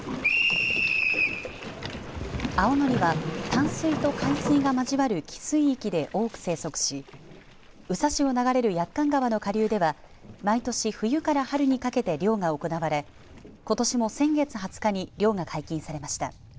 青のりは淡水と海水が交わる汽水域で多く生息し宇佐市を流れる駅館川の下流では毎年冬から春にかけて漁が行われことしも先月２０日に漁が解禁されました。